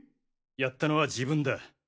やったのは自分だ。